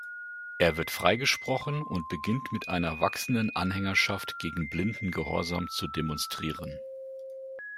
Er wird freigesprochen und beginnt mit einer wachsenden Anhängerschaft gegen blinden Gehorsam zu demonstrieren.